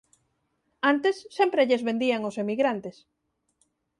Antes, sempre lles vendían ós emigrantes.